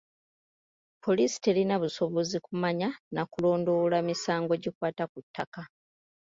Poliisi terina busobozi kumanya na kulondoola misango gikwata ku ttaka.